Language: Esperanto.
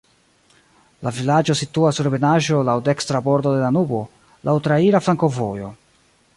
La vilaĝo situas sur ebenaĵo, laŭ dekstra bordo de Danubo, laŭ traira flankovojo.